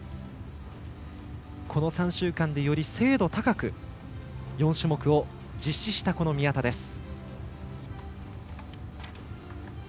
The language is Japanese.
この３週間で、より精度高く４種目を実施した宮田です。